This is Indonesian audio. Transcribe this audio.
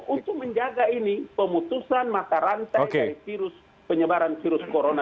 untuk menjaga ini pemutusan mata rantai dari virus penyebaran virus corona